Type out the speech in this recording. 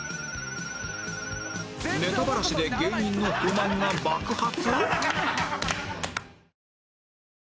ネタバラシで芸人の不満が爆発！？